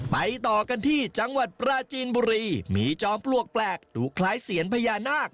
ไปต่อกันที่จังหวัดปราจีนบุรีมีจอมปลวกแปลกดูคล้ายเซียนพญานาค